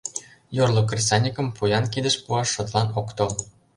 Йорло кресаньыкым поян кидыш пуаш шотлан ок тол.